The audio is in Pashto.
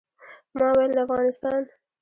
ما ویل د افغانستان.